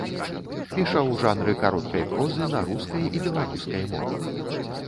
Піша ў жанры кароткай прозы на рускай і беларускай мовах.